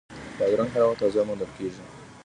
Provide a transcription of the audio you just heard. بادرنګ هر وخت تازه موندل کېږي.